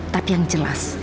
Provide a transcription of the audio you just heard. tapi yang jelas